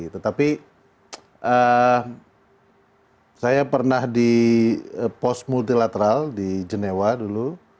tetapi saya pernah di pos multilateral di genewa dulu